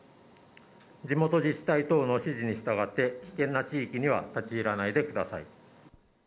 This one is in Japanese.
地元自治体等の指示に従って、危険な地域には立ち入らないでください。